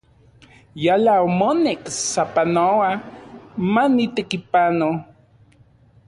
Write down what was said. Yala omonek sapanoa manitekipano.